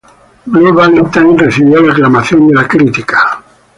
Blue Valentine recibió la aclamación de la crítica.